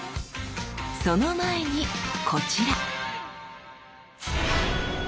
その前にこちら。